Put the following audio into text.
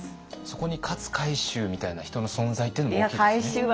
そこに勝海舟みたいな人の存在っていうのも大きいですよね。